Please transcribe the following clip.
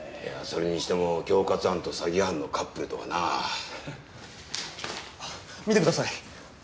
いやそれにしても恐喝犯と詐欺犯のカップルとはなあっ見てください